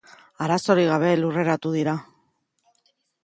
Arazorik gabe lurreratu dira.